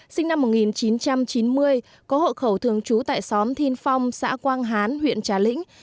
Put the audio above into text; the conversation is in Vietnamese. sinh năm một nghìn chín trăm chín mươi có hộ khẩu thường trú tại xóm thiên phong xã quang hán huyện trà lĩnh